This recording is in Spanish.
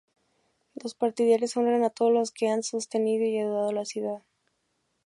Los partidarios honran a todos los que han sostenido y ayudado a la ciudad.